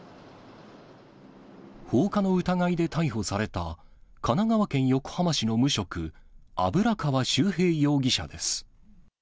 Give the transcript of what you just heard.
放火の疑いで逮捕された神奈川横浜市の無職、油川秀平容疑者です。